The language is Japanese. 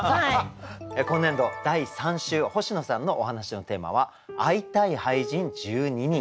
今年度第３週星野さんのお話のテーマは「会いたい俳人、１２人」でございます。